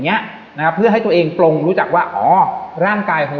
เนี้ยนะฮะเพื่อให้ตัวเองปลงรู้จักว่าอ๋อร่างกายของ